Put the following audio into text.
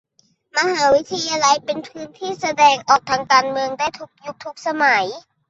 มหาวิทยาลัยเป็นพื้นที่แสดงออกทางการเมืองได้ในทุกยุคทุกสมัย